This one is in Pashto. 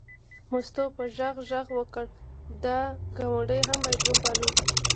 مستو په غږ غږ وکړ دا ګاونډ هم باید وپالو.